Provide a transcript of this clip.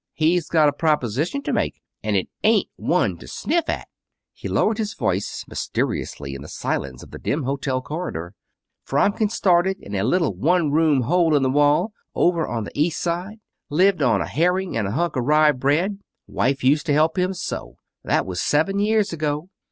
He's got a proposition to make. And it isn't one to sniff at." He lowered his voice mysteriously in the silence of the dim hotel corridor. "Fromkin started in a little one room hole in the wall over on the East Side. Lived on a herring and a hunk of rye bread. Wife used to help him sew. That was seven years ago.